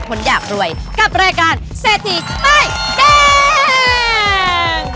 กับรายการเซทีป้ายเด้ง